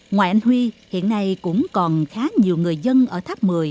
ngoài anh huy hiện nay cũng còn khá nhiều người dân ở tháp một mươi